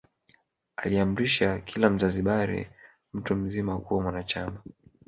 Aliamrisha kila Mzanzibari mtu mzima kuwa mwanachama